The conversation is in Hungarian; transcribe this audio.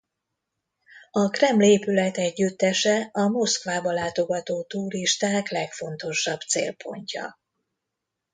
A Kreml épületegyüttese a Moszkvába látogató turisták legfontosabb célpontja.